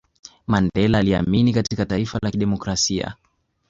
mandela aliamini katika taifa la kidemokrasia